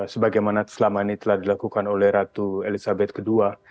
sebagaimana selama ini telah dilakukan oleh ratu elizabeth ii